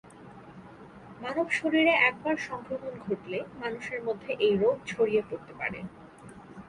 মানব শরীরে একবার সংক্রমণ ঘটলে মানুষের মধ্যে এই রোগ ছড়িয়ে পড়তে পারে।